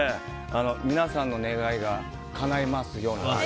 皆さんの願いがかないますようにと。